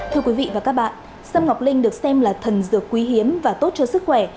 thưa quý vị và các bạn sâm ngọc linh được xem là thần dược quý hiếm và tốt cho sức khỏe